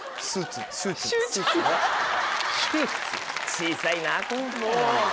小さいな。